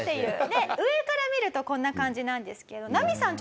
で上から見るとこんな感じなんですけどナミさん